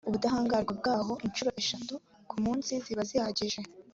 ubudahangarwa bwaho inshuro eshatu ku munsi ziba zihagije